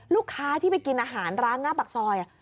ลูกค้าที่ไปกินอาหารร้านหน้าปากซอย